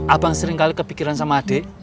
abang sering kali kepikiran sama adik